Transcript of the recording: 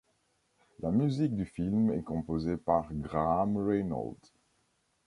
La musique du film est composée par Graham Reynolds.